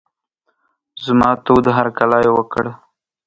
زما تود هرکلی یې وکړ.